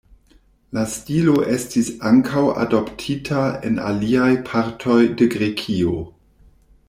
La stilo estis ankaŭ adoptita en aliaj partoj de Grekio.